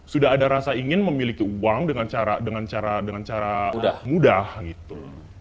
sudah ada rasa ingin memiliki uang dengan cara mudah gitu